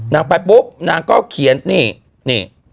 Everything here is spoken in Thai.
นางไปปุ๊บนางก็เขียนนี่นี่